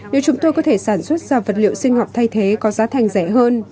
nếu chúng tôi có thể sản xuất ra vật liệu sinh học thay thế có giá thành rẻ hơn